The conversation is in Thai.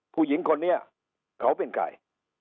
ผู้หญิงคนนี้เขาเป็นใคร